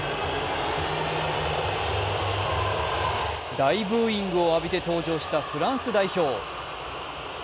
大ブーイングを浴びて登場したフランス代表。